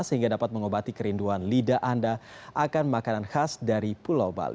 sehingga dapat mengobati kerinduan lidah anda akan makanan khas dari pulau bali